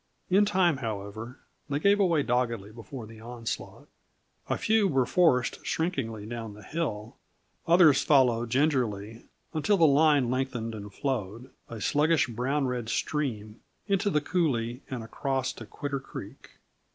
In time, however, they gave way dogedly before the onslaught. A few were forced shrinkingly down the hill; others followed gingerly, until the line lengthened and flowed, a sluggish, brown red stream, into the coulee and across to Quitter Creek.